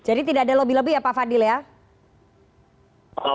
jadi tidak ada lobby lobby ya pak fadil ya